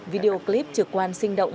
video clip trực quan sinh động